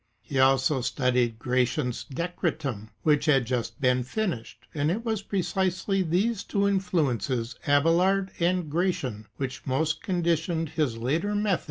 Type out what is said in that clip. ^ He also studied Gratian's "Decretum," which had just been finished. And it was precisely these two influences, Abe lard and Gratian, which most conditioned his later method of exposition.